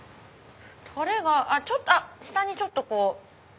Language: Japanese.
たれが下にちょっとこう。